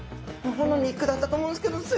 ほほの肉だったと思うんですけどす